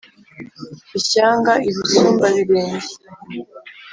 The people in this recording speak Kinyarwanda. i shyanga i Busumbabirenge